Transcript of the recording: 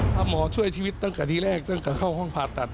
ถ้าหมอช่วยชีวิตตั้งแต่ที่แรกตั้งแต่เข้าห้องผ่าตัด